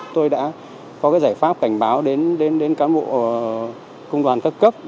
tôi đã có giải pháp cảnh báo đến cán bộ công đoàn cấp cấp